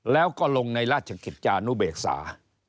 แล้วก็ลงในราชกิจจานุเบกษา